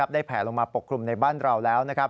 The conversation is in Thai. แผลลงมาปกคลุมในบ้านเราแล้ว